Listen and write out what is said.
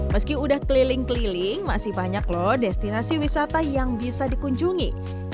meski sudah keliling keliling masih banyak loh destinasi wisata yang bisa dikunjungi